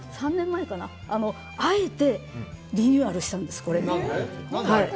３年前かなあえて、リニューアルしたんです。